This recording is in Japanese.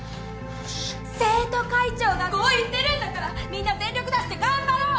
生徒会長がこう言ってるんだからみんな全力出して頑張ろう！